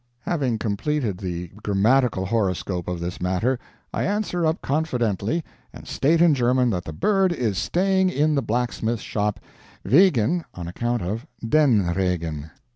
Having completed the grammatical horoscope of this matter, I answer up confidently and state in German that the bird is staying in the blacksmith shop "wegen (on account of) DEN Regen."